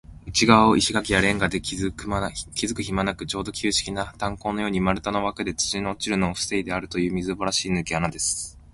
内がわを石がきやレンガできずくひまはなく、ちょうど旧式な炭坑のように、丸太のわくで、土の落ちるのをふせいであるという、みすぼらしいぬけ穴です。